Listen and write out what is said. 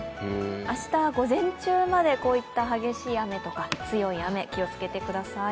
明日、午前中までこういった激しい雨に気をつけてください。